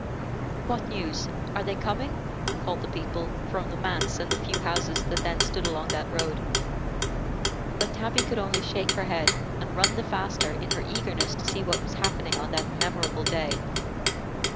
"What news? Are they coming?" called the people, from the Manse and the few houses that then stood along that road. But Tabby could only shake her head and run the faster, in her eagerness to see what was happening on that memorable day.